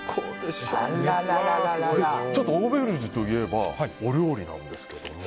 そしてオーベルジュといえばお料理なんですけども。